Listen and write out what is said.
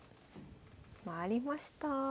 回りました。